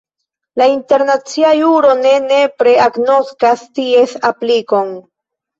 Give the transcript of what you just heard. La internacia juro ne nepre agnoskas ties aplikon.